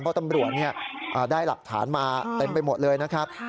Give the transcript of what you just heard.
เพราะตำรวจได้หลักฐานมาเต็มไปหมดเลยนะครับ